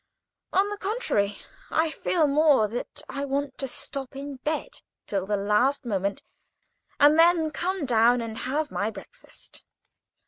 On the contrary, I feel more that I want to stop in bed till the last moment, and then come down and have my breakfast.